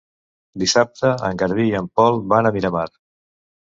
Dissabte en Garbí i en Pol van a Miramar.